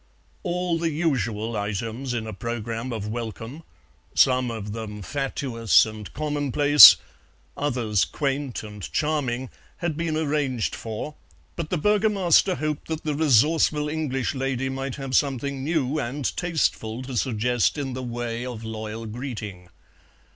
All the usual items in a programme of welcome, some of them fatuous and commonplace, others quaint and charming, had been arranged for, but the Burgomaster hoped that the resourceful English lady might have something new and tasteful to suggest in the way of loyal greeting.